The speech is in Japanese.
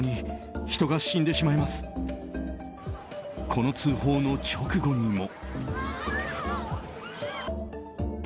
この通報の直後にも。